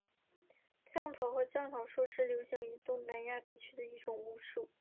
降头或降头术是流行于东南亚地区的一种巫术。